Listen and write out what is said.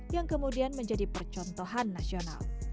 yang kemudian menjadi percontohan nasional